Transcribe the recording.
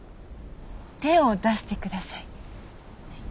手を出して下さい。